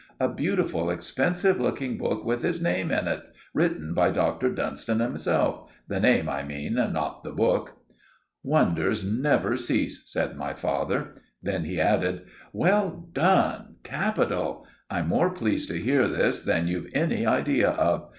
A beautiful, expensive looking book with his name in it, written by Dr. Dunstan himself—the name I mean—not the book." "Wonders never cease," said my father. Then he added, "Well done, capital! I'm more pleased to hear this than you've any idea of.